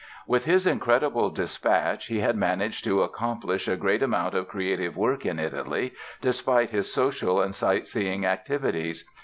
With his incredible dispatch he had managed to accomplish a great amount of creative work in Italy, despite his social and sight seeing activities.